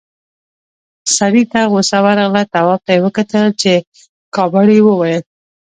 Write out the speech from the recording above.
سړي ته غوسه ورغله، تواب ته يې وکتل، په کاوړ يې وويل: